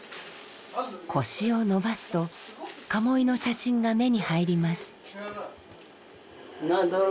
腰を伸ばすと鴨居の写真が目に入ります。